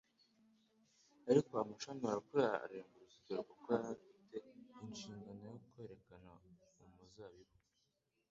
Ariko amashami arakura arenga uruzitiro kuko yari afite i«shingano yo kwerekana umuzabibu.